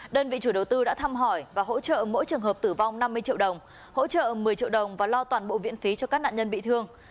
đơn vị chủ đầu tư đã thăm hỏi và hỗ trợ mỗi trường hợp tử vong năm mươi triệu đồng hỗ trợ một mươi triệu đồng và lo toàn bộ viện phí cho các nạn nhân bị thương